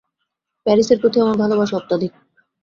প্যারিসের প্রতি আমার ভালোবাসা অত্যধিক।